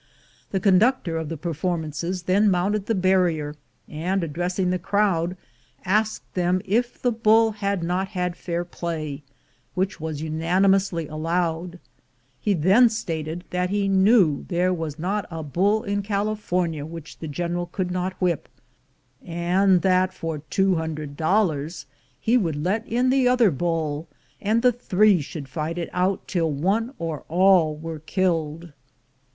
The conductor of the performances then mounted the barrier, and, addressing the crowd, asked them if the bull had not had fair play, which was unanimously allowed. He then stated that he knev/ there was not a bull in California which the General could not whip, and that for two hundred dollars he would let in the other bull, and the three should fight it out till one or all were killed.